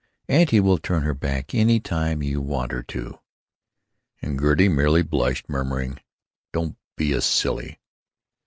Auntie will turn her back any time you want her to." And Gertie merely blushed, murmuring, "Don't be a silly."